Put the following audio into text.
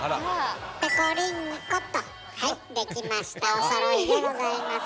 おそろいでございます。